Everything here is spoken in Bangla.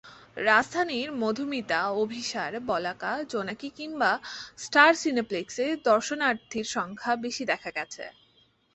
রাজধানীর মধুমিতা, অভিসার, বলাকা, জোনাকি কিংবা স্টার সিনেপ্লেক্সে দর্শনার্থীর সংখ্যা বেশি দেখা গেছে।